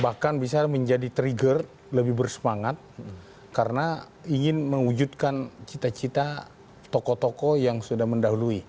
bahkan bisa menjadi trigger lebih bersemangat karena ingin mewujudkan cita cita tokoh tokoh yang sudah mendahului